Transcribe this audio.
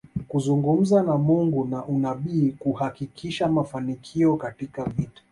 Kuzungumza na Mungu na unabii kuhakikisha mafanikio katika vita